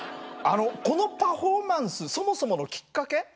このパフォーマンスそもそものきっかけ